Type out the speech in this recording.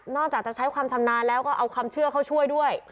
จากจะใช้ความชำนาญแล้วก็เอาความเชื่อเขาช่วยด้วย